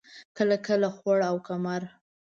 کله لکه خوړ او کمر.